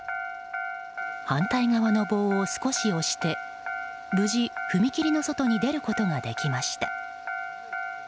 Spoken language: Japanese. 反対側の棒を少し押して無事、踏切の外に出ることができました。